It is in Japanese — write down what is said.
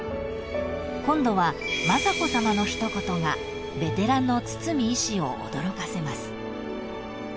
［今度は雅子さまの一言がベテランの堤医師を驚かせます］